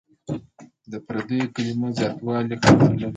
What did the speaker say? د پردیو کلمو زیاتوالی خطر لري.